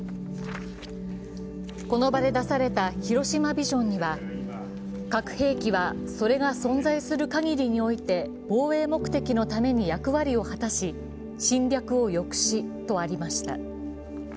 この場で出された広島ビジョンには核兵器は、それが存在するかぎりにおいて防衛目的の為に役割を果たし、侵略を抑止、とありました。